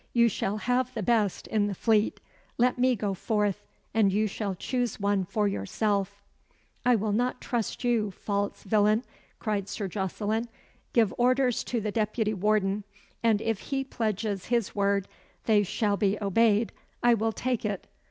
"You shall have the best in the Fleet. Let me go forth, and you shall choose one for yourself." "I will not trust you, false villain," cried Sir Jocelyn. "Give orders to the deputy warden, and if he pledges his word they shall be obeyed, I will take it.